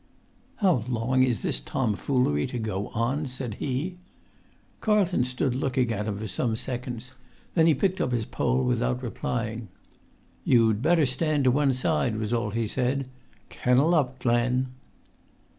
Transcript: "How long is this tomfoolery to go on?" said he. Carlton stood looking at him for some seconds; then he picked up his pole without replying. "You'd better stand to one side," was all he said. "Kennel up, Glen!"